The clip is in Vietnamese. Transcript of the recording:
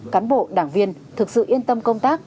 cán bộ đảng viên thực sự yên tâm công tác